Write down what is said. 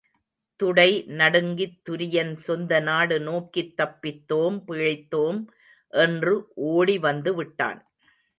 துடை நடுங்கித் துரியன் சொந்தநாடு நோக்கித் தப்பித்தோம், பிழைத்தோம் என்று ஓடி வந்து விட்டான்.